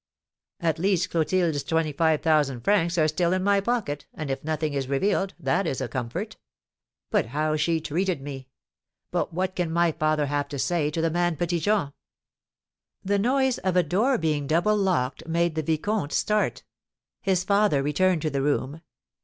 "At least Clotilde's twenty five thousand francs are still in my pocket, and if nothing is revealed, that is a comfort. But how she treated me! But what can my father have to say to the man Petit Jean?" The noise of a door being double locked made the vicomte start. His father returned to the room.